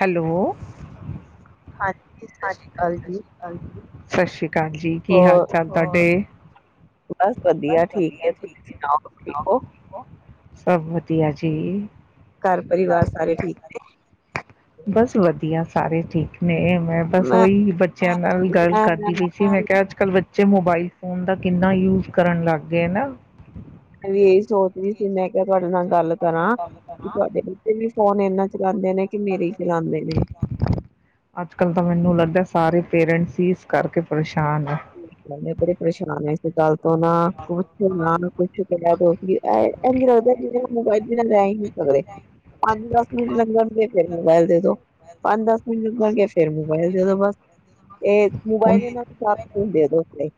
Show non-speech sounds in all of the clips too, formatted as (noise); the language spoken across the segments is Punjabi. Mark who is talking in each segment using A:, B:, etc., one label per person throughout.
A: ਹੈਲੋ
B: ਹਾਂਜੀ ਸਤਿ ਸ਼੍ਰੀ ਅਕਾਲ ਜੀ
A: ਸਤਿ ਸ਼੍ਰੀ ਹਾਂ ਜ ਕੀ ਹਾਲ
B: ਹੋਰ
A: ਚਾਲ ਤੁਹਾਡੇ, ਬਸ
B: ਠੀਕ ਹੈ,
A: ਵਧੀਆ,
B: ਤੁਸੀਂ
A: ਠੀਕ ਏ
B: ਸੁਣਾਓ
A: ਤੁਸੀ ਸੁਨਾੳ
B: ਹੋ?
A: ਠੀਕ ਹੋ। ਵਧੀਆ ਜੀ
B: ਘਰ ਪਰਿਵਾਰ ਸਾਰੇ ਠੀਕ ਨੇ
A: ਬਸ ਵਧੀਆ ਸਾਰੇ ਠੀਕ ਨਹੀਂ ਮੈਂ ਬਸ ਉਹੀ ਬੱਚਿਆਂ ਨਾਲ ਗੱਲ ਕਰਦੀ ਪਈ ਸੀ ਮੈਂ ਕਿਹਾ ਅੱਜ ਕੱਲ੍ਹ ਜੇਮੋਬਾਇਲ ਫੋਨ ਦਾ ਕਿੰਨਾ ਯੂਜ ਕਰਨ ਲੱਗ ਗਿਆਏ ਨਾ
B: ਮੈਂ ਵੀ ਇਹੀ ਸੋਚਦੀਹੀ ਸੀ, ਮੈਂ ਕਿਹਾ ਤੁਹਾਡੇ ਨਾਲ ਗੱਲ ਕਰਾਂ ਕਿ ਤੁਹਾਡੇ ਬੱਚੇ ਵੀ ਫੋਨ ਇਨਾ ਚਲਾਉਂਦੇ ਨੇ ਕਿ ਮੇਰੇ ਚਲਾਉਂਦੇ ਨੇ।
A: ਅੱਜ ਕੱਲ੍ਹ ਤਾਂ ਮੈਨੂੰ ਲੱਗਦਾ ਸਾਰੇ ਪੇਰੈਂਟਸ ਸੀ ਇਸ ਕਰਕੇ ਪਰੇਸ਼ਾਨ ਹੈ।
B: ਮੈਂ ਬੜੇ ਪਰੇਸ਼ਾਨ ਹ ਇਸ ਗੱਲ ਕੁਛ ਨਾ ਕੁਛ ਕਿਆ ਵੀ ਨ ਲੱਗਦਾ ਕਿ ਮੋਬਾਇਲ ਬਿਨਾਂ ਰੈ ਹੀ ਨੀ ਸਕਦੇ ਪੰਜ ਦ ਮੈਨੂੰ ਲੰਗਣਗੇ ਫੇਰ ਮੋਬਾਇਲ ਦੇ ਦੋ ਪੰਜ ਦ ਹੁਣ ਉੱਠ ਗਿਆ ਫੇਰ ਮੋਬਾਇਲ ਜਦੋ ਬਸ ਇਹ
A: ਹੁਣ
B: ਮੋਬਾਈਲ ਇਨਾ ਦੇ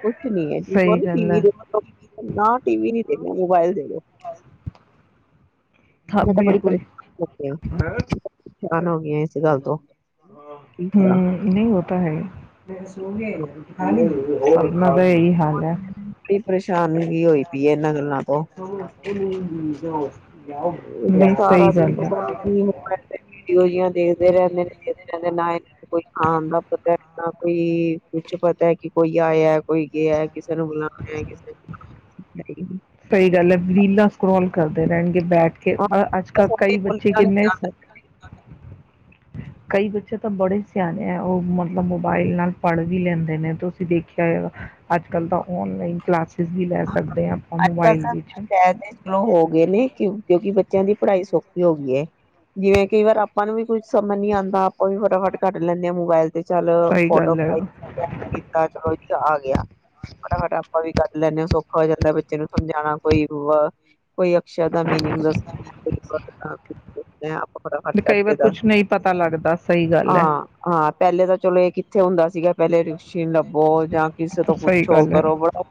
B: (unintelligible) ਕੁਛ ਨੀ ਹੈ ਕ ਕਹੋ ਨਾ ਟੀ ਵੀ ਦੇਖੋ ਨਾ ਟੀ ਵੀ ਨੀ ਮੋਬਾਈਲ ਦੇ (unintelligible) ਮੈਂ ਤਾਂ ਬਰੀਸ਼ ਕੀ ਕਰਾਂ
A: ਹਮ ਨਹੀਂ ਹੋਤਾ ਹੈ (unintelligible)
B: ਪਰੇਸ਼ਾਨ ਕੀ ਹੋਈ ਪਈ ਇਹਨਾਂ ਗੱਲਾਂ ਤੋਂ ਤਾਂ ਸਾਰਾ ਦਿਨ ਹੋਈ ਦੇਖਦੇ ਰਹਿੰਦੇ ਨੇ ਕਿਸ ਤਰ੍ਹਾਂ ਦੇ ਨਾ ਇਹਨਾਂ ਨੂੰ ਕੋਈ ਆਮ ਦਾ ਪਤਾ ਨਾ ਕੋਈ ਕੁਛ ਪਤਾ ਹੈ ਕਿ ਕੋਈ ਆਇਆ ਕੋਈ ਗਿਆ ਕਿਸੇ ਨੂੰ ਬੁਲਾਉਣਾ ਕਿਸੇ ਹ
A: ਸਹੀ ਗੱਲ ਹੈ ਵੀੀਲਾਸ ਕਰੋਲ ਕਰਦੇ ਰਹਿਣ ਬੈਠ ਕੇ
B: ਹਾਂ,
A: ਅੱਜ ਕੱਲ੍ਹ
B: ਬਸ ਆਪੇ
A: ਕਈ
B: ਬੋਲੀ
A: ਬੱਚੇ ਕਿੰਨੇ
B: ਜਾਣਗੇ,
A: ਕਈ ਬੱਚੇ ਤਾਂ ਬੜੇ ਸਿਆਣੇ ਹੈ ਉਹ ਮਤਲਬ ਮੋਬਾਇਲ ਨਾਲ ਪੜ੍ਹ ਵੀ ਲੈਂਦੇ ਨੇ ਤੁਸੀਂ ਦੇਖਿਆ ਹੋ ਅੱਜ ਕੱਲ੍ਹ ਤਾਂ ਔਨਲਾਈਨ ਕਲਾਸਿਸ ਵੀ ਲੈ ਸਕਦੇ ਹ
B: ਅੱਜ ਕੱਲ ਤਾਂ ਸ਼ਹਿਦ ਚਲੋ ਹੋ ਗਏ ਨੇ ਕਿਉਂ ਕਿਉਂਕਿ ਬੱਚਿਆਂ ਦੀ ਪੜ੍ਹਾਈ ਸੌਖੀ ਹੋ ਗਈਏ ਜਿਵੇਂ ਕਈ ਵਾਰ ਆਪਾਂ ਨੂੰ ਵੀ ਕੁੱਝ ਸਮਝ ਨੀ ਆਉਂਦਾ ਉਹ ਵੀ ਫਟਾਫਟ ਕੱਟ ਲੈਂਦੇ ਆ ਮੋਬਾਇਲ ਤੇ ਚੱਲ
A: ਸਹੀ
B: ਫੋਟੋ
A: ਗੱਲ ਹੈ
B: ਖ
A: ਸੌਖਾ ਹੋ ਆਪਾਂ
B: ਕੀਤਾ ਚਲੋ ਆ ਗਿਆ ਫਟਾਫਟ ਆਪਾਂ ਵੀ ਕੱਢ ਲੈਂਦੇ ਹੋ ਸੌਖਾ ਹੋ ਜਾਂਦਾ ਬੱਚੇ ਨੂੰ ਸਮਝਾਣਾ ਕੋਈ ਕੋਈ ਅਕਸ਼ੇ
A: ਛੋੜ ਸਕਦੇ ਹਾਂ,
B: ਦਾ
A: ਕੁਛ ਔਖਾ ਹੋ
B: ਮੀਨਿੰਗ
A: ਜਾਂਦਾ
B: ਦੱਸਦਾਈ ਆਪ
A: ਤੇ ਕਈ ਵਾਰ ਕੁਛ ਨਹੀਂ ਪਤਾ ਲੱਗਦਾ ਸਹੀ ਗੱਲ ਹੈ
B: ਹਾਂ ਹਾਂ ਪਹਿਲੇ ਤਾਂ ਚਲੋ ਇਹ ਕਿੱਥੇ ਹੁੰਦਾ ਸੀਗਾ ਪਹਿਲੇ ਬੋ ਜਾਂ ਕਿਸੇ ਤੋਂ
A: ਸਹੀ
B: ਪੁੱਛੋ
A: ਗੱਲ ਹੈ।
B: ਕਰੋ ਬੜੋ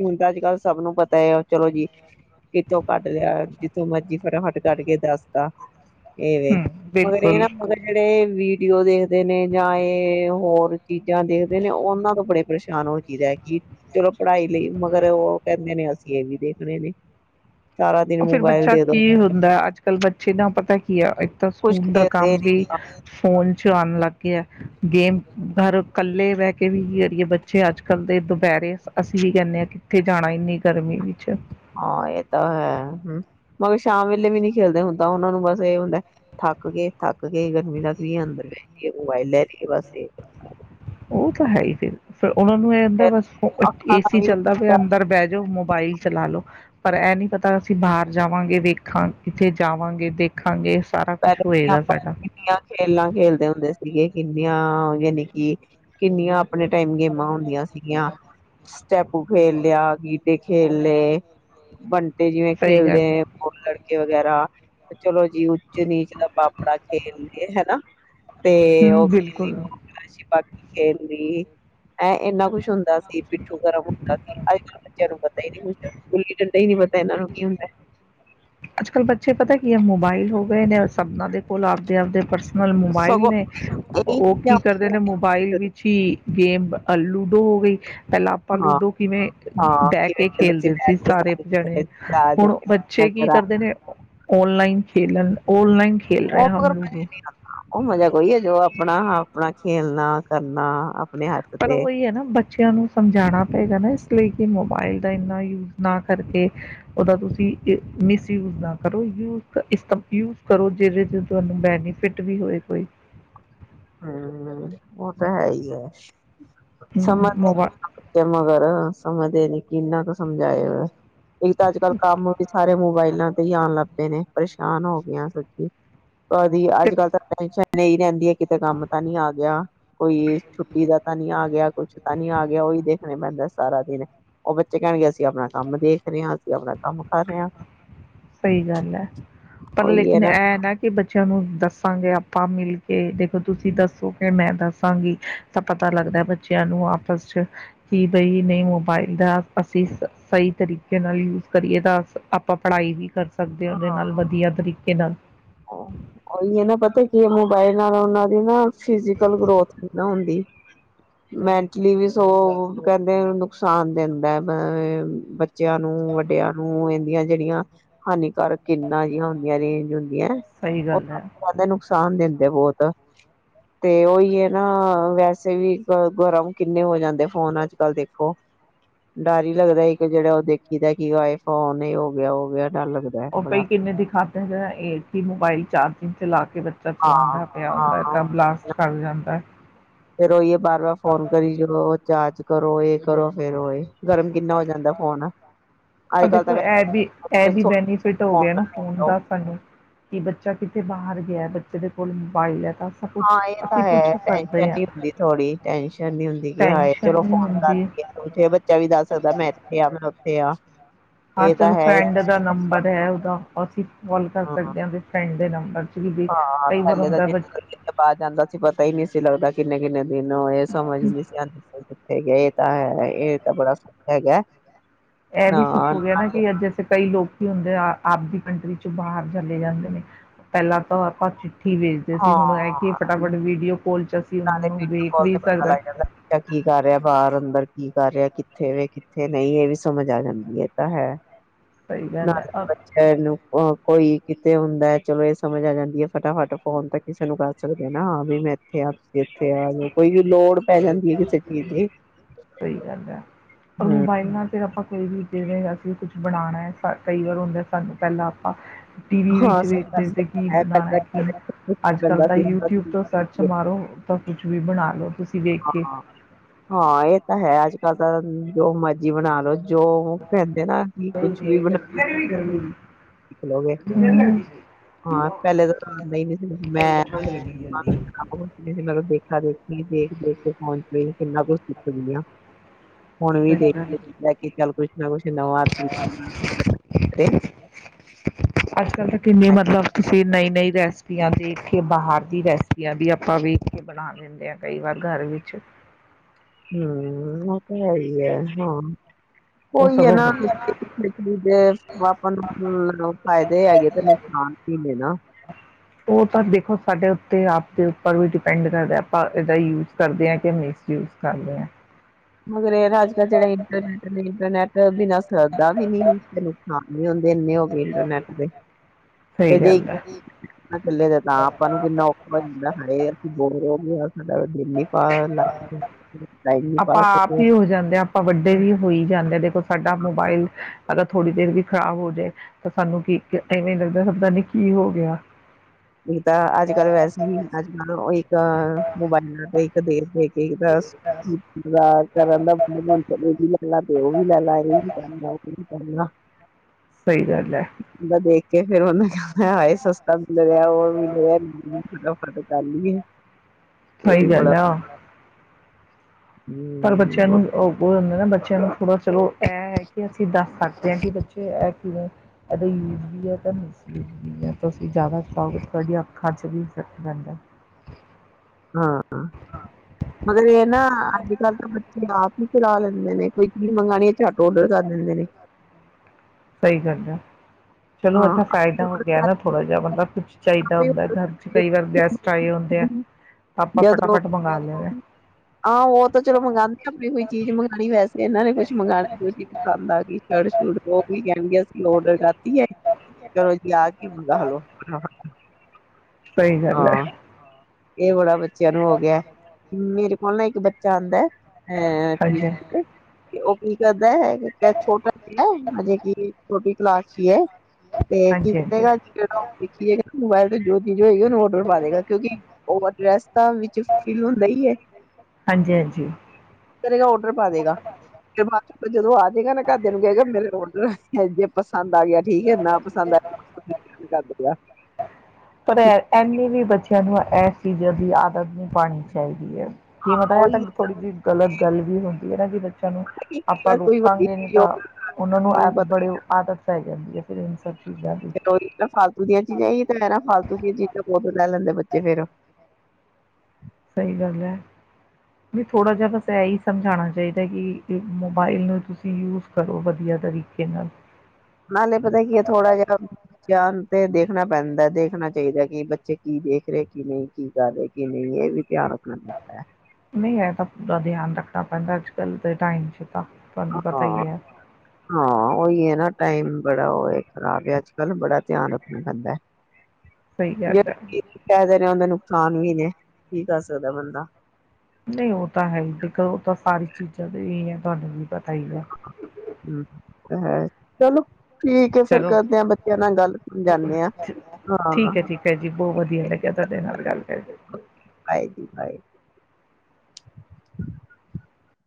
B: ਹੁਣ ਤਾਂ ਅੱਜ ਕੱਲ ਸਭ ਨੂੰ ਪਤਾ ਚਲੋ ਜੀ ਕਿੱਥੋਂ ਕੱਢ
A: ਦੀ
B: ਲਿਆ ਜਿੱਥੋਂ ਮਰਜੀੀ ਫਟਾਫਟ ਕੱਢ ਕੇ ਦੱਸ ਤ ਇਹਵੇ
A: ਹੂੰ
B: ਮਗਰ ਇਹ
A: ਬਿਲਕੁਲ
B: ਨਾ ਮਗ ਜਿਹੜੇ ਵੀਡੀਓ ਦੇਖ ਨੇ ਜਾਂਏ ਹੋਰ ਚੀਜ਼ਾਂ ਦੇਖਦੇ ਨੇ ਉਹਨਾਂ ਤੋਂ ਬੜੇ ਪਰੇਸ਼ਾਨ ਹੋ ਚਈਦਾ ਹੈ ਕਿ ਚਲੋ ਪੜ੍ਹਾਈ ਲਈ ਮਗਰ ਉਹ ਕਹਿੰਦੇ ਨੇੀ ਸੀ ਇਹ ਵੀ ਦੇਖ ਰਹੇ ਨੇ ਸਾਰਾ ਦਿਨ
A: ਫੇਿਰ
B: ਮੋਬਾਇਲ
A: ਬੱਚਾ
B: ਦੇ
A: ਕੀ
B: ਦੋ
A: ਹੁੰਦਾ ਅੱਜ ਕੱਲ੍ਹ ਬੱਚੇ ਦਾ ਪਤਾ ਕੀ ਆ ਇੱਕ ਤਾਂ
B: ਕੁਛ
A: ਸਕੂਲ ਦਾ
B: ਖੇਲਦੇ
A: ਕੰਮ
B: ਨੀ
A: ਵੀ ਫੋਨ ਚ ਆਉਣ ਲੱਗ ਗਿਆਿਆ ਗੇਮ ਘਰ ਇਕੱਲੇ ਬਹਿ ਵੀ ਜੜੀਏ ਬੱਚੇ ਅੱਜ ਕੱਲ੍ਹ ਦੇ ਦੁਪਹਿਰੇ ਅਸੀਂ ਹੀ ਕਹਿੰਦੇ ਹਾਂ ਕਿੱਥੇ ਜਾਣਾ ਇੰਨੀ ਗਰਮੀ ਵਿੱਚ
B: ਹਾਂ ਇਹ ਤਾਂ ਹੈ ਹਮ ਮਗਰ ਸ਼ਾਮ ਵੇਲੇ ਵੀ ਨਹੀਂੀ ਖੇਲਦੇ ਹੁੰਦਾ ਉਹਨਾ ਨੂੰ ਬਸ ਇਹ ਹੁੰਦਾ ਥੱਕ ਗ ਥੱਕ ਕੇ ਗਰਮੀ ਦਾਮੀ ਅੰਦਰ ਬਹਿ ਮੋਬਾਇਲ ਲੈ ਲਈਏ ਬਸ ਇਹ
A: (unintelligible) ਉਹਨਾਂ ਨੂੰ ਇਹ ਕਹਿੰਦਾ
B: ਫਿਰ
A: ਬਸ
B: ਅੱਖਾਂ
A: ਏ
B: ਦਾ
A: ਸੀ ਚੱਲਦਾ
B: ਵੀ
A: ਪਿਆ ਅੰਦਰ ਬਹਿ ਜਾਓ ਮੌਬਾਈਲ ਚਲਾ ਲਓ ਪਰ ਇਹ ਨੀ ਪਤਾ ਅਸੀਂ ਬਾਹਰ ਜਾਵਾਂਗੇ ਵੇਖਾਂ ਇੱਥੇ ਜਾਵਾਂਗੇ ਦੇਖਾਂਗੇ ਸਾਰਾ ਕੁਛ
B: ਪਹਿਲਾਂ
A: ਹੋਏਗਾ
B: ਆਪਾਂ
A: ਸਾਡਾ
B: ਕਿੰਨੀਆਂ ਖੇਲਾਂ ਖੇਲਦੇ ਹੁੰਦੇ ਸੀਗੇ ਕਿ (unintelligible) ਕਿੰਨੀਆਂ ਆਪਣੇ ਟਾਈਮ ਗੇਮਾਂ ਹੁੰਦੀਆਂ ਸਟੈਪੂ ਖੇਲ ਲਿਆ ਗੀਟੇ ਖੇਲ ਲਏ ਬੰ
A: ਖੇਡ ਲਏ
B: ਜਿਵੇਂ
A: ਪੱਟੀ
B: ਖੇਲਦੇ ਹੈ ਬੋਲੜ ਵਗੈਰਾ ਚਲੋ ਜੀ ਨੀਚ ਦਾ ਪਾਪੜਾ ਖੇਲ ਲਏ ਹਨਾ ਤੇ
A: ਸੀ ਹਨਾ ਹਮ
B: ਓਕੇਸ਼ੀ
A: ਬਿਲਕੁਲ
B: ਖੇਲੀ ਹੈਂ ਇੰਨਾ ਕੁਛ ਹੁੰਦਾ ਸੀ ਪੀ ਵਗੈਰਾਦਾ ਬੱਚਿਆਂ ਨੂੰ ਪਤਾ ਹੀ ਨਹੀਂੀ ਕੁਛ ਡ ਦਾ ਹੀ ਨੀ ਪਤਾ ਇਹਨਾਂ ਨੂੰ ਕੀ ਹੁੰਦਾ
A: ਅੱਜ ਕੱਲ੍ਹ ਬੱਚੇ ਪਤਾ ਕੀ ਹੈ ਮੋਬਾਇਲ ਹੋ ਗਏ ਨੇ ਸਭਨਾਂ ਦੇ ਕੋਲ ਆਪਦੇ ਆਪਦੇ ਪਰਸ ਨਾਲ ਮੋਬਾਈਲ
B: ਸਗੋਂ
A: ਨੇ
B: ਇਹੀ
A: ਉਹ
B: ਚੀਜ਼ਾਂ
A: ਕੀ ਕਰਦੇ ਨੇ ਮੋਬਾਇਲ ਵਿੱਚ ਹੀ ਗੇਮ ਅ ਲੂਡੋ ਹੋ ਗਈ ਪਹਿਲਾਂ ਆਪਾਂ
B: ਹਾਂ
A: ਲੂਡੋ ਕਿਵੇਂ
B: ਹਾਂ,
A: ਡਹਿ
B: ਕਿਵੇਂ
A: ਕੇ ਖੇਲਦੇ
B: ਬੈਟ
A: ਸੀ
B: ਤੇ
A: ਸਾਰੇ ਜਣੇ
B: ਜਾ-ਜਾ
A: ਹੁਣ
B: ਕੇ
A: ਬੱਚੇ
B: ਨਜ਼ਰ
A: ਕੀ
B: ਆ
A: ਕਰਦੇ ਨੇ ਔਨਲਾਈਨ ਖੇਲਣ ਔਨਲਾਈਨ ਖੇਲ ਰਹੇ
B: ਉਹਰ
A: ਹਮ
B: ਮ
A: ਲੂਡੋ
B: ਨ ਉਹ ਮਜ਼ਾ ਕੋਈ ਹੈ ਜੋ ਆਪਣਾ ਆਪਣਾ ਖੇਲਣਾ ਕਰਨਾ ਆਪਣੇ ਹੱਥ
A: ਪਰ
B: ਤੇ
A: ਉਹੀ ਹੈ ਨਾ ਬੱਚਿਆਂ ਨੂੰ ਸਮਝਾਉਣਾ ਪਏਗਾ ਨਾ ਇਸ ਲਈ ਕੀ ਮੌ ਲ ਦਾ ਇਨਾ ਯੂਜ ਨਾ ਕਰਕੇ ਉਹਦਾ ਤੁਸੀਂ ਮਿਸਯੂਜ ਨਾ ਕਰੋ ਯ ਯੂਜ ਕਰੋ ਜਿਹਦੇ ਚ ਤੁਹਾਨੂੰ ਬੈਨੀਫਿਟ ਵੀ ਹੋਏ ਕੋਈ
B: ਹਮ ਉਹ ਤਾਂ ਹੈ ਹੀ ਹੈ ਸਮਧ ਮਗਰ ਸਮਧ ਨ ਕਿੰਨਾ ਕੁ ਸਮਝਾਏਗਾ ਇੱਕ ਤਾਂ ਅੱਜ ਕੱਲ ਕੰਮੁੰ ਸਾਰੇ ਮੋਬਾਇਲਾਂ ਆਣ ਲੱ ਪੇ ਨੇ ਪਰੇਸ਼ਾਨ ਹੋ ਗਆਂ ਸੀ ਦੀ
A: ਨੇ ਤੇ
B: ਅੱਜ ਕੱਲ ਤਾਂ ਟੈਨਸ਼ਨ ਨਹੀਂ ਰਹਿੰਦੀ ਹੈ ਕਿਤੇ ਕੰਮ ਤਾਂ ਨਹੀਂੀ ਆ ਗਿਆ ਕੋਈ ਛੁੱਟੀ ਦਾ ਤਾਂ ਨੀ ਆ ਗਿਆ ਕੁਛ ਤਾਂ ਨੀ ਆ ਗਿਆ ਉਹੀ ਦੇਖਣੇ ਪੈਂਦਾ ਸਾਰਾ ਦਿਨ ਉਹ ਬੱਚੇ ਕਹਿਣਗੇ ਅਸੀਂ ਆਪਣਾ ਕੰਮ ਦੇਖ ਰਹੇ ਹਾਂ ਅਸੀਂ ਆਪਣਾ ਕੰਮ ਕਰ ਰਹੇ ਹਾਂ
A: ਸਹੀ ਗੱਲ ਹੈ ਪਰ
B: ਉਹੀ ਹੈ
A: ਲੇਕਿਨ ਇਹ ਨਾ ਕਿ ਬੱਚਿਆਂ ਨੂੰ ਦੱਸ ਦੱਸਾਂਗੇ ਆਪਾਂ ਮਿਲ ਕੇ ਦੇਖੋ ਤੁਸੀਂ ਦੱਸੋ ਕਿ ਮੈਂ ਦੱਸਾਂਗੀ ਤਾਂ ਪਤਾ ਲੱਗਦਾ ਬੱਚਿਆਂ ਨੂੰ ਆਪ ਸ ਚ ਕਿ ਬਈ ਨਹੀਂ ਮੋਬਾਇਲ ਦਾ ਅਸੀਂ ਸਹੀ ਤਰੀਕੇ ਨਾਲ ਯੂਜ ਕਰੀਏ ਤਾਂ ਅ ਆਪਾਂ ਪੜ੍ਹਾਈ ਵੀ (unintelligible)
B: ਹ
A: ਨਾਲ ਵਧੀਆ ਤਰੀਕੇ ਨਾਲ
B: ਨਾ ਪਤਾ ਕਿ ਮਬਾਇਲ ਉਹਨਾਂ ਦੀ ਨਾ ਫਿਜੀਕਲ ਗਰੋਥਦਾ ਹੁੰਦੀ ਮੈਂਟਲੀ ਵੀ ਸੋ ਕਹਿੰਦੇ ਨੁਕਸਾਨ ਦਿੰਦਾ ਅ ਬੱਚਿਆਂ ਨੂੰ ਵੱਡਿਆਂ ਨੂੰ ਇਹਦੀਆਂ ਜਿਹੜੀਆਂ ਹਨਾਨੀ ਘਰ ਕਿੰਨਾ ਜਿਹੀਆਂ ਹੁੰਦੀਆਂ ਰਰੇਂਜ ਹੁੰ
A: ਸਹੀ
B: ਉਹ
A: ਗੱਲ ਹੈ।
B: ਨੁਕਸਾਨ ਨੁਕਸਾਨ ਦਿੰਦੇ ਬਹੁਤ ਤੇ ਉਹੀ ਹੈ ਨਾ ਵੈਸੇ ਵੀ ਗਰਮ ਕਿੰਨੇ ਹੋ ਜਾਂਦੇ ਫੋਨ ਅੱਜ ਕੱਲ ਦੇਖੋ ਡਰ ਹੀ ਲੱਗਦਾ ਸੀ ਕਿ ਜਿਹੜਾ ਉਹ ਦੇਖ ਕਿਦਾ ਕੀ ਆਫੋਨ ਹੋ ਗਿਆ ਹੋ ਗਿਆ ਡਰ ਲੱਗਦਾ ਹੈ
A: ਉਹ
B: ਬੜਾ
A: ਕਈ ਕਿੰਨੇ ਦਿਖਾਦੇ ਹੈ ਇਹ ਮੋਬਾਈਲ ਚਾਰਜ ਇਕ ਲਾੱਖ ਕਿ ਬੱਚਾ
B: ਹਾਂ
A: ਚਲਾਉਂਦਾ ਪਿਆ ਹੁੰਦਾ
B: ਹਾਂ
A: ਤਾਂ ਬਲਾਸਟ ਕਰ ਜਾਂਦਾ ਹੈ
B: ਫੇਿਰ ਉਹਹੀ ਬਾਰ ਵਾਰ ਫੋਨ ਕਰ ਜਾਓ ਚਚ ਕਰੋ ਇਹ ਕਰੋ ਫੇਰੋ ਇਹ ਗਰਮ ਕਿੰਨਾ ਹੋ ਜਾਂਦਾ ਫੋਨ ਆ
A: ਅਗ ਕੋ ਇਹ ਵੀ ਇਹ ਵੀ ਬੈਨੀਫਿਟ ਹੋ ਗਿਆ ਨਾ ਹੋਣ
B: ਫੋਨ
A: ਦਾ ਸਾਨੂੰ ਕਿ ਬੱਚਾ ਕਿਥਤੇ ਬਾਹਰ ਗਿਆ ਬੱਚੇ ਦੇ ਕੋਲ ਮੋਬਾਇਲ ਹੈ ਤਾਂ ਸਭ
B: ਹਾਂ
A: ਕੁਛ
B: ਇਹ ਤਾਂ
A: ਅਸੀਂ ਪੁੱਛ
B: ਹੈ ਟੈਸ਼ਨ
A: ਸਕਦੇ ਹਾਂ।
B: ਨੀ ਹੁੰਦੀ ਥੋੜੀ ਟੈਸ਼ਨ ਨੀ ਹੁੰਦੀ ਕਿ ਹਾਏ
A: ਟੈਨਸ਼ਨ
B: ਚਲੋ
A: ਨਹੀਂ
B: ਫੋਨ
A: ਹੁੰਦੀ।
B: ਕਰਕੇੇ ਬੱਚਾ ਵੀ ਦੱਸ ਸਕਦਾ ਮੈਂ ਇਥੇ ਹਾਂ ਆ ਅ
A: ਹਾਂ ਚਲੋ ਫਰੈਂਡ ਦਾ ਨੰਬਰ ਹੈ ਉਹਦਾ ਅਸੀਂ ਕਾਲ ਕਰ ਸਕਦੇ ਹਾਂਦੇ ਫਰੈਂਡ ਦੇ ਨੰਬਰ 'ਚ ਵੀ ਵੀ
B: ਹਾਂ
A: ਕਈ ਵਾਰ
B: ਥੱਲਲੇ ਦਾ
A: ਹੁੰਦਾ
B: ਜਿ
A: ਬ
B: ਪਾ ਜਾਂਦਾ ਸੀ ਪਤਾ ਹੀ ਨਹੀਂੀ ਸੀ ਲੱਗਦਾ ਕਿੰਨੇ ਕਿੰਨੇ ਨੂੰ ਇਹ ਸਮਝ ਨਹੀਂ ਸੀ ਹੈਕ ਤਾਂ ਇਹ ਤਾਂ ਬੜ ਹੈਗਾ
A: ਇਹ
B: ਨਾ
A: ਵੀ ਸੁੱਕ ਹੋ ਗਿਆ ਨਾ
B: ਨਾਲੇ
A: ਕਿ ਅੱਜ ਅੇ ਕਈ ਲੋਕ ਹੁੰਦੇ ਆਪਦੀ ਕੰਟਰੀ ਚ ਬਾਹਰ ਚਲੇ ਜਾਂਦੇ ਨੇ ਪਹਿਲਾਂ ਤਾਂ ਆਪਾਂ ਭੇਜਦੇ ਸੀ
B: ਹਾਂ
A: ਹੁਣ ਇਹ ਕਿ ਫਟਾਫਟ ਵੀਡੀਓ ਕਾਲ 'ਚ ਅਸੀਂ ਉਹਨਾਂ ਨੂੰ
B: ਨਾਲੇਡੀਓ
A: ਵੇਖ
B: ਕਾਲ
A: ਵੀ
B: ਤੇ ਬਤਾ
A: ਸਕਦਾ
B: ਲੱਗ ਜਾਂਦਾ ਬਾ ਕੀ ਕਰ ਰਿਹਾ ਬਾਹਰ ਅੰਦਰ ਕੀ ਕਰ ਰਿਹਾ ਕਿੱਥੇ ਵ ਕਿੱਥੇ ਨਹੀਂ ਇਹ ਵੀ ਸਮਝ ਆ ਜਾਂਦੀ ਹੈ ਤਾਂ ਹੈ
A: ਸਹੀ ਗੱਲ ਹੈ
B: ਨਾਲ
A: ਅ
B: ਬੱਚੇ ਨੂੰ ਉਹ ਕੋਈ ਕਿਤੇ ਹੁੰਦਾ ਹੈ ਚਲੋ ਇਹ ਸਮਝ ਆ ਜਾਂਦੀ ਹੈ ਫਟਾਫਟ ਫੋਨ ਤੇ ਕਿਸੇ ਨੂੰ ਕਰ ਸਕਦੇ ਆ ਨਾ ਹਾਂ ਵੀ ਮੈਂ ਇੱਥੇ ਆ। ਇੱਥੇ ਆ ਕੋਈ ਵੀ ਲੋੜ ਪੈ ਜਾਂਦੀ ਹੈ ਕਿਸੇ ਚੀਜ਼ ਦੀ
A: ਸਹੀ ਗੱਲ ਹੈ ਔਰ
B: ਹੂੰ
A: ਮੋਬਾਈਲ ਨਾਲ ਫਿਰ ਆਪਾਂ ਕੋਈ ਵੀ ਜਿਵੇਂ ਅਸੀਂ ਕੁਛ ਬਣਨਾ ਏ ਕਈ ਵਾਰ ਹੁੰਦਾ ਸਾਨੂੰ ਪਹਿਲਾਂ ਆਪਾਂ ਟੀਵੀ
B: ਹਾਂ,
A: ਵਿੱਚ
B: ਸਹੀ
A: ਵੇਖਦੇ
B: ਗੱਲ
A: ਸੀ ਕਿ
B: ਹੈ ਪਹਿਲਾਂ
A: ਬਣਾਨਾ ਕਿ
B: ਪੁੱਛਣਾ
A: ਅੱਜ ਕੱਲ
B: ਪੈਂਦਾ
A: ਤਾਂ
B: ਸੀ ਇਸ ਵਾਰ
A: ਯੂਟਿਊਬ
B: ਕੀ
A: ਤੋਂ ਸਰਚ
B: ਬਣਾਈਏ।
A: ਮਾਰੋ ਵੀ ਬਣਾ ਲਓ ਤੁਸੀਂ ਵੇਖ
B: ਹਾਂ
A: ਕੇ
B: ਹਾਂ ਇਹ ਤਾਂ ਹੈ ਅੱਜ ਕੱਲ ਤਾਂ ਜੋ ਮਰਜੀ ਬਣਾ ਲੋ ਜੋ ਕਹਿੰਦੇ ਨੇ ਨਾ ਕਿ ਕੁਛ ਵੀ ਬਣਾ
A: ਗਰਮੀ ਗਰਮੀ
B: ਲੋ
A: ਗਰਮੀ
B: (unintelligible) ਖਲਗੇ
A: ਲੱਗਦੀ
B: ਹਾਂ
A: ਸੀ
B: ਪਹਿਲੇ ਤਾਂਦਾ ਨ ਸੀ
A: ਸਾਨੂੰ
B: ਮੈਂ
A: ਤਾਂ ਠੰਡ ਲੱਗੀ ਜਾਂਦੀ
B: ਦੇਖਾ ਦੇਖੀ ਦੇਖ ਕੇ ਫੋਨ ਤੇ ਹੀ ਕਿੰਨਾ ਕੁਛ ਸਿੱਖਦੀ ਆ ਹੁਣ
A: ਹੈ।
B: ਵਛਖ ਲੈ ਕੇ ਕੁਛ ਨਾ ਕੁਛ ਨਵਾਂ (unintelligible)
A: ਅੱਜ ਕਲ ਤਾਂ ਕਿੰਨੀ ਮਤਲਬ ਤੁਸੀਂ ਨਹੀਂ ਨਹੀਂ ਰੇਸੇਪੀ ਦੇਖ ਕੇ ਬਾਹਰ ਦੀ ਰੈਸਪੀਆਂ ਵੀ ਆਪਾਂ ਵੇਖ ਕੇ ਬਣਾ ਲੈਂਦੇ ਹਾਂ ਕਈ ਵਾਰ ਘਰ ਵਿੱਚ
B: ਹੂੰ ਹੈ ਹੀ ਹੈ ਹਾਂ
A: ਉਹ
B: ਉਹੀ ਹੈ
A: ਸਗੋਂ
B: ਨਾ (inaudible) ਫਾਇਦੇ ਹੈਗੇ ਤੇ ਨੁਕਸਾਨ ਹੀ ਨੇ ਨਾ
A: ਤੇ ਆਪ ਦੇ ਉੱਪਰ ਵੀ ਡਿਪੈਂਡ ਕਰਦਾ ਆਪਾਂ ਇਹਦਾ ਯੂਜ ਕਰਦੇ ਹਾਂ ਕਿ ਮਿਸਯੂਜ ਕਰਦੇ ਹਾਂ।
B: ਮਗਰ ਅੱਜ ਕਲ ਜਿਹੜਾ ਇੰਟਰਨੈਟ ਨੇ ਇੰਟਰਨੈੱਟ ਬਿਨਾ ਸਰਦਾ ਵੀ ਨੀ ਨੁਕਸਾਨ ਵੀ ਹੁੰਦੇ ਇੰਨੇ ਹੋ ਗਏ ਇੰਟਰਨੈਟ ਦੇ ਤੇ
A: ਸਹੀ
B: ਜੇ
A: ਗੱਲ ਐ।
B: ਚੱਲੇ ਤਾਂ ਆਪਾਂ ਨੂੰ ਕਿੰਨਾ ਔਖਾ ਹੋ ਜਾਂਦਾ ਹਾਏ ਅਸੀ ਬੋਰ ਹੋ ਗੲਏ (inaudible) ਦਿੱਲੀ ਪਾ ਲੱਕ ਦਾਈਨੀ ਪਾਸ
A: ਵੀ ਹੋ ਜਾਂਦੇ ਆ ਆਪਾਂ ਵੱਡੇ ਵੀ ਹੋਈ ਜਾਂਦੇ ਆ ਦੇਖੋ ਸਾਡਾ ਮੋਬਾਇਲ ਅਗਰ ਥੋੜ੍ਹੀ ਦੇਰ ਵੀ ਖ਼ਰਾਬ ਹੋ ਜੇ ਤਾਂ ਸਾਨੂੰ ਕੀ ਇਵੇਂ ਲੱਗਦਾ ਪਤਾ ਨੀ ਕੀ ਹੋ ਗਿਆ।
B: ਨਹੀਂ ਤਾਂ ਅੱਜ ਕੱਲ ਵੈਸੇ ਹੀ ਅੱਜ ਕੱਲ ਇੱਕ ਮੋਬਾਇਲਾਂ ਤੇ ਦੇਖ ਦੇ (unintelligible) ਇਹ ਵੀ ਲੈ ਲਾ ਤੇ ਉਹ ਵੀ ਲੈ ਲਾ ਇਹ ਵੀ ਕਰਨਾ ਉਹ ਵੀ ਕਰਨਾ
A: ਸਹੀ ਗੱਲ ਹ
B: ਬੰਦਾ ਦੇਖ ਕੇ ਫੇਰ ਉਹਨੇ ਕਿਹਾ ਹੋਣਾ ਆਏ ਸਸਤਾ ਵੀ ਉਹ ਵੀ ਫ (unintelligible) ਚਲੀਏ ਇਹ
A: ਸਹੀ ਗੱਲ ਆਹੋ ਪਰ ਬੱਚਿਆਂ
B: ਹਮ
A: ਨੂੰ ਉਹ ਹੁੰਦੇ ਨਾ ਬੱਚੇ, ਬ ਨੂੰ ਥੋੜ੍ਹਾ ਚਲੋ ਇਹ ਹੈ ਕਿ ਅਸੀਂ ਦੱਸ ਸਕਦੇ ਹੈ, ਆ ਕਿ ਬੱਚੇ ਇਹ ਕਿਵੇਂ ਯੂਜ ਵੀ ਯ ਤੁਸੀਂ ਜ਼ਿਆਦਾ ਹੋਗੇ ਤੁਹਾਡੀ ਅੱਖਾਂ ਚ ਵੀ ਇਫੈਕਟ ਪੈਂਦਾ।
B: ਹਾਂ ਮਗਰ ਇਹ ਨਾ ਅੱਜ ਕੱਲ੍ਹ ਤਾਂ ਬੱਚੇ ਆਪ ਹੀ ਚਲਾ ਲੈਂਨੇ ਨੇ, ਕੋਈ ਚੀਜ਼ ਮੰਗਉਣੀ ਝਟ ਔਡਰ ਕਰ ਨੇ,
A: ਸਹੀ ਗੱਲ ਹੈ ਚਲੋ
B: ਹਾਂ
A: ਇੱਦਾਂ ਫਾਇਦਾ ਹੋ ਗਿਆ ਨਾ ਥੋੜਾ ਜਿਹਾ ਮਤਲਬ ਕੁਛ,
B: ਆਪ
A: ਆਏ ਹੁੰਦੇ ਆ ਤਾਂ ਆਪਾਂ
B: ਜਦੋਂ
A: ਫਟਾਫਟ ਮੰਗਾ ਲੈਂਦੇ
B: ਹਾਂ ਉਹ ਤਾਂ ਚਲੋ ਮੰਗਉਂਦੇ ਆਪਣੀ ਕੋਈ ਚੀਜ਼ ਮੰਗਉਣੀ ਵੈਸੇ ਇਹਨਾਂ ਨੇ ਕੁਛ ਮੰਗਉਣੀ ਪਸਦ ਆ ਗਈ। ਉਹ ਵੀ ਕਹਿਣਗੇ ਅਸੀਂ ਔਡਰ ਕਰਤੀ ਐ ਚਲੋ ਜੀ ਆ (unintelligible) ਹੈਲੋ,
A: ਸਹੀ ਗੱਲ ਹੈ,
B: ਇਹ ਬੜਾ ਬੱ ਬੱਚਿਆਂ ਨੂੰ ਹੋ ਗਿਆ ਮੇਰੇ, ਉਹ ਨਾ ਇੱਕ ਬੱਚਾ ਆਦਾ ਹੈ, ਐ
A: ਹਾਂਜੀ
B: (unintelligible) ਤੇ ਉਹ ਕੀ ਕਰ ਹੈ ਛੋਟਾ ਕਿਹਾ ਹਜੇ ਕੀ, ਛੋਟੀ ਕਲਾਸ ਚ ਹੀ ਐ। ਤੇ ਕੀ
A: ਹਾਂਜੀ ਹਾਂਜੀ
B: ਕਰੇਗਾ ਦੇਖੀਏ, ਮੋਬਾਇਲ ਤੇ ਚੀ ਗੀ ਉਹਨੂੰ ਔਡਰ ਪਾ ਦੇਗਾ, ਕਿਉਂਕਿ ਉਹ ਅਡਰੈਸ ਤਾਂ ਵਿੱਚ ਫਿਲ ਹੁੰਦਾ ਹੀ ਹੈ,
A: ਹਾਂਜੀ ਹਾਂਜੀ
B: ਕਰੇਗਾ ਔਡਰ ਪਾ ਦੇਗਾ ਫੇਰ ਬਾਦ ਜਦੋਂ ਆ ਠੀਕ ਐ ਨਾ ਘਰਦੇ ਨੂੰ ਕਹਿ ਮੇਰੇ ਰ ਹੈ ਜੇ ਪਸੰਦ, ਦਾ ਗਿਆ ਠੀਕ ਐ ਨਾ ਪਸੰਦ ਆਇਆ
A: ਪਰ ਇੰਨੀ ਵੀ ਬੱਚਿਆਂ ਨੂੰ ਐ, ਇਸ ਚੀਜ਼ ਦੀ ਆਦਤ ਨਹੀਂ ਪਾਉਣੀ ਚਾਹੀਦੀ। ਹੈ ਕੀ ਪਤਾ ਹੈ ਤਾਂ
B: ਉਹੀ
A: ਥੋੜ੍ਹੀ ਜਿਹੀ ਗਲਤ ਗੱਲ ਵੀ ਹੋ (unintelligible) ਨੂੰ ਆਪਾਂ
B: ਕੋਈ ਵੱਡੀ
A: ਰੋਕਾਂਗੇ ਨੀ
B: ਚੀਜ਼
A: ਤਾਂ ਉਹਨਾਂ ਨੂੰ ਆ ਬੜੇ ਆਦਤ ਪੈ ਜਾ ਫਿਰ (unintelligible)
B: ਤੇ ਕੋ ਫਾਲਤੂ ਦੀਆਂ ਚੀਜ਼ਾਂ ਹੀ ਤਾਂ ਹੈ ਨਾ ਫਾਲਤੂ ਦੀਆਂ ਚੀਜ਼ਾਂ ਬਹੁਤ ਲੈ ਲੈਂਦੇ ਬੇ ਤੇ ਫੇਰ,
A: ਸਹੀ ਗੱਲ ਹੈ ਵੀ ਥੋੜ੍ਹਾ ਜਿਹਾ ਬਸ ਇਹੀ ਸਮਝਾਣਾ ਚਾਹੀਦਾ ਕਿ ਮੋਬਾਈਲ ਨੂੰ ਤੁਸੀਂ ਯੂਜ ਕਰੋ ਵਧੀਆ ਤਰੀਕੇ ਨਾਲ,
B: ਨਾਲੇ ਪਤਾ ਕੀ ਐ ਥੋੜਾ ਜਾ ਗਿਆਨ ਤੇ ਦੇਖਣਾ ਪੈਂਦਾ ਦੇਖਣਾ ਚਾਹੀਦਾ ਕਿ ਬੱਚੇ ਕੀ ਦੇਖ ਰਹੇ ਕੀ ਨਹੀਂ ਕੀ ਕਰ ਰਹੇ ਕੀ ਨਹੀਂ ਇਹ ਵੀ ਧਿਆਨ ਰੱਖਣਾ ਪੈਂਦਾ।
A: ਨਹੀਂ, ਇਹ ਤਾਂ ਪੂਰਾ ਧਿਆਨ ਰੱਖਣਾ ਪੈਂਦਾ ਅੱਜ ਕੱਲ ਦੇ ਟਾਈਮ ਚ। ਤਾਂ ਤੁਹਾਨੂੰ ਪਤਾ
B: ਹਾਂ
A: ਹੀ ਹੈ
B: ਹਾਂ, ਉਹੀ ਐ ਨਾ ਟਾਈਮ ਬੜਾ ਉਹ ਐ ਖ਼ਰਾਬ ਐ ਅੱਜਕਲ ਬੜਾ ਧਿਆਨ ਰੱਖਣਾ ਪੈਂਦਾ
A: ਸਹੀ ਗੱਲ ਐ।
B: ਜਿਹੜੀ ਚੀਜ਼ (unintelligible) ਨੁਕਸਾਨ ਵੀ ਨੇ ਕੀ ਕਰ ਸਕਦਾ ਬੰਦਾ।
A: ਨਹੀਂ ਉਹ ਤਾਂ ਹੈ ਹੀ ਦੇਖੋ ਉਹ ਤਾਂ ਸਾਰੀ ਚੀਜ਼ਾਂ ਦੇ ਇਹੀ ਆ ਤੁਹਾਨੂੰ ਵੀ ਪਤਾ ਹੀ ਹੈ
B: ਉਹ ਤਾਂ ਹੈ। ਚਲੋ। ਠੀਕ, ਫਿਰ
A: ਚਲੋ
B: ਕਰਦੇ ਆ ਬੱਚਿਆਂ ਨਾਲ ਗੱਲ ਜਾਣੇ ਹਾਂ,
A: ਠੀ ਠੀਕ ਹੈ ਠੀਕ ਹੈ ਜੀ ਬਹੁਤ ਵਧੀਆ ਲੱਗਿਆ ਤੁਹਾਡੇ ਨਾਲ ਗੱਲ ਕਰਕੇ
B: ਬਾਏ ਜੀ ਬਾਏ।